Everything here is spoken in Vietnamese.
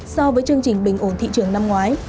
so với chương trình bình ổn thị trường năm ngoái